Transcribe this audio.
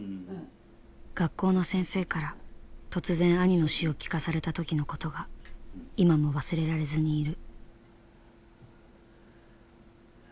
学校の先生から突然兄の死を聞かされた時のことが今も忘れられずにいる。